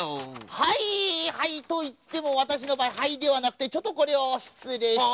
はいはいといってもわたしのばあいはいではなくてちょっとこれをしつれいして。